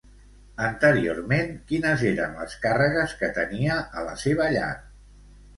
Anteriorment, quines eren les càrregues que tenia a la seva llar?